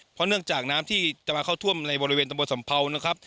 เพราะเนื่องจากน้ำที่จะมาเข้าท่วมในบริเวณตำบลสัมเภานะครับ